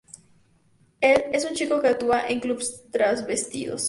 Él, es un chico que actúa en clubes travestido.